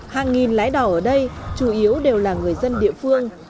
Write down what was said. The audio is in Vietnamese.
hàng nghìn lái đỏ ở đây chủ yếu đều là người dân địa phương